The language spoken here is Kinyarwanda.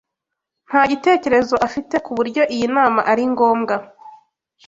Nta gitekerezo afite ku buryo iyi nama ari ngombwa.